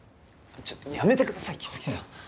ちょっとやめてください木次さん。